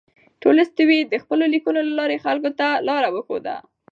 تولستوی د خپلو لیکنو له لارې خلکو ته لاره وښوده.